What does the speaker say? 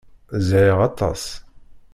Zhiɣ aṭas.